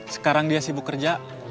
sekarang dia sibuk kerja